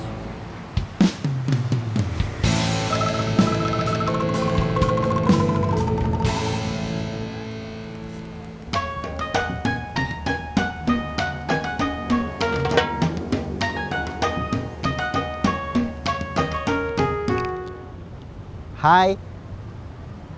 terima kasih bos